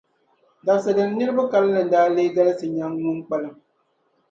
Dabsi' dini niriba kalinli n-daa lee galisi nyaŋ ŋun kpalim?